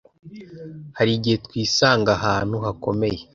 ” Hari igihe twisanga ahantu hakomeye